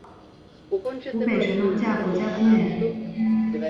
湖北神农架国家公园为一个位于中国湖北省神农架林区的国家公园。